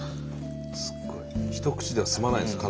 すごい一口では済まないんですね